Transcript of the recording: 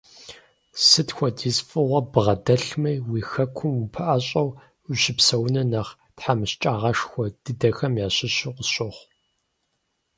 Сыт хуэдиз фӀыгъуэ ббгъэдэлъми, уи Хэкум упэӀэщӀэу ущыпсэуныр нэхъ тхьэмыщкӀагъэшхуэ дыдэхэм ящыщу къысщохъу.